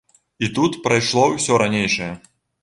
І тут прайшло ўсё ранейшае.